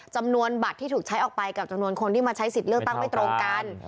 จำนวนบัตรที่ถูกใช้ออกไปกับจำนวนคนที่มาใช้สิทธิ์เลือกตั้งไม่ตรงกัน